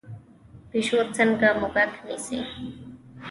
پیشو څنګه موږک نیسي؟